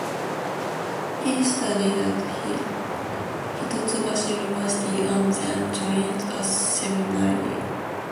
He studied at Hitotsubashi University and then joined a seminary.